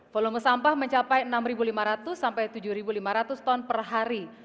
volume sampah mencapai enam lima ratus sampai tujuh lima ratus ton per hari